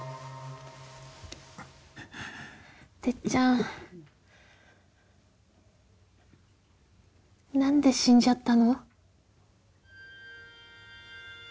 てっちゃん何で死んじゃったの？